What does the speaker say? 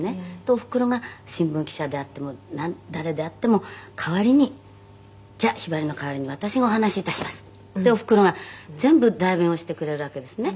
「おふくろが新聞記者であっても誰であっても代わりに“じゃあひばりの代わりに私がお話し致します”っておふくろが全部代弁をしてくれるわけですね」